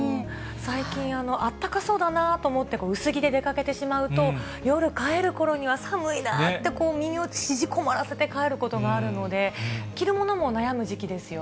最近、あったかそうだなと思って薄着で出かけてしまうと、夜、帰るころには、寒いなって、身をちぢこませて帰ることがあるので、着るものも悩む時期ですよ